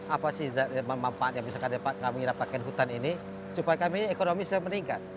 apa sih manfaatnya misalkan dapat kami dapatkan hutan ini supaya kami ekonomi bisa meningkat